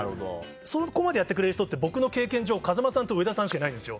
そこまでやってくれる人って僕の経験上風間さんと上田さんしかいないんですよ。